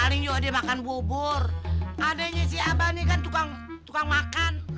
ah paling yuk dia makan bubur adanya si aba ini kan tukang makan